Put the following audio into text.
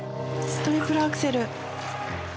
トリプルアクセル！